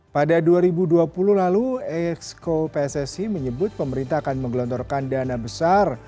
pada dua ribu dua puluh lalu exco pssi menyebut pemerintah akan menggelontorkan dana besar